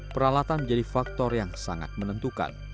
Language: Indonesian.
peralatan menjadi faktor yang sangat menentukan